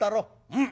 うん。